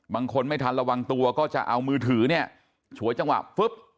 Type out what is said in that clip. ไม่ทันระวังตัวก็จะเอามือถือเนี่ยฉวยจังหวะฟึ๊บ